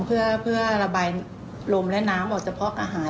เพื่อระบายลมและน้ำออกจากภอกอาหาร